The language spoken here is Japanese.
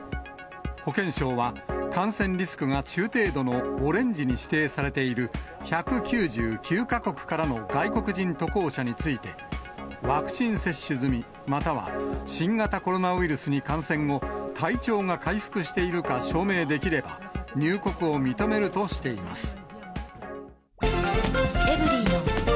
保健省は感染リスクが中程度のオレンジに指定されている１９９か国からの外国人渡航者について、ワクチン接種済み、または新型コロナウイルスに感染後、体調が回復しているか証明できれば、入国を認めるとしています。